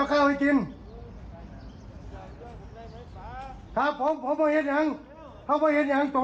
เข้าบนทางนั้นเร็ว